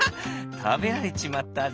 たべられちまったぜ」。